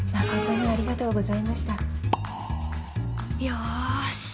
よし！